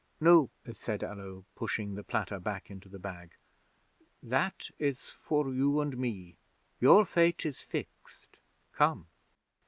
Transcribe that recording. '"No," said Allo, pushing the platter back into the bag. "That is for you and me. Your fate is fixed. Come."